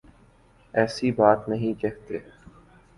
ایسی بات نہیں کہتے